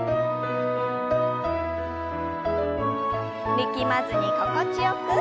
力まずに心地よく。